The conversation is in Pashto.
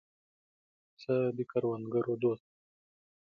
پسه د کروندګرو دوست دی.